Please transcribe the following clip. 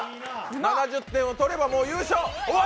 ７０点をとればもう優勝。